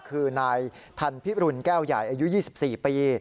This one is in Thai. คือนายทันพิรุณแก้วใหญ่อายุ๒๔ปี